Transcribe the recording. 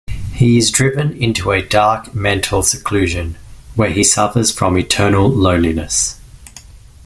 He is driven into a dark mental seclusion where he suffers from eternal loneliness.